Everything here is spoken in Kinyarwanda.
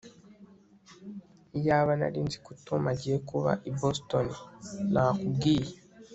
Iyaba nari nzi ko Tom agiye kuba i Boston nakubwiye